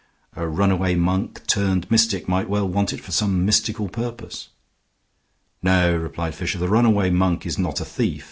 A runaway monk turned mystic might well want it for some mystical purpose." "No," replied Fisher, "the runaway monk is not a thief.